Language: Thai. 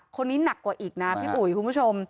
คนนี้หนักกว่าอีกนะพี่อุ๋ยคุณผู้ชม